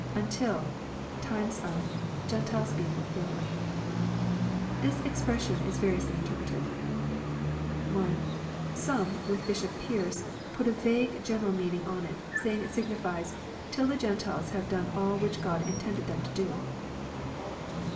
[UntiL,.time3 of... Gentiles he fulfiUed.] This expression is va riously interpreted. 1. Some, with Bishop Pearce, put a vague general meaning on it, and say it signifies " till the Gentiles have done all which Q od intended them to do."